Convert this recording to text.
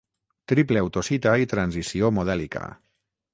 Triple autocita i transició modèlica.